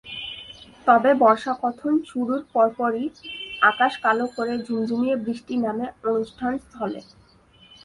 তবে বর্ষাকথন শুরুর পরপরই আকাশ কালো করে ঝুম-ঝুমিয়ে বৃষ্টি নামে অনুষ্ঠানস্থলে।